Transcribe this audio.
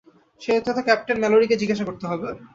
সেটা তো captain Mallory কে জিজ্ঞাসা করতে হবে।